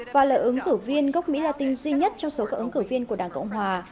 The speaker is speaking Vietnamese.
và là ứng cử viên gốc mỹ latin duy nhất trong số các ứng cử viên của đảng cộng hòa